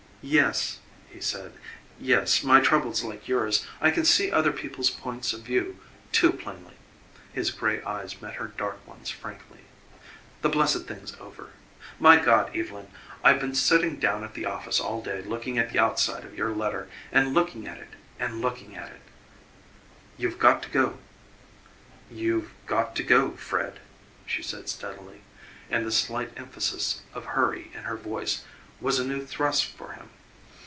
"Yes," he said "yes, my trouble's like yours. I can see other people's points of view too plainly." His gray eyes met her dark ones frankly. "The blessed thing's over. My God, Evylyn, I've been sitting down at the office all day looking at the outside of your letter, and looking at it and looking at it " "You've got to go, Fred," she said steadily, and the slight emphasis of hurry in her voice was a new thrust for him.